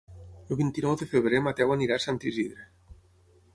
El vint-i-nou de febrer en Mateu irà a Sant Isidre.